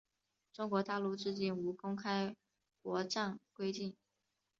中国大陆至今无公开国葬规定。